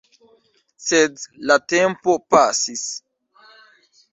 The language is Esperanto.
Sed la tempo pasis.